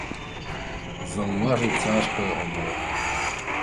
Заўважыць цяжка яго было.